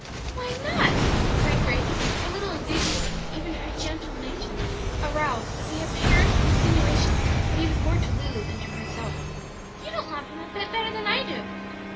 "Why not?" cried Grace, a little indignantly, even her gentle nature aroused at the apparent insinuation that he was more to Lulu than to herself; "you don't love him a bit better than I do."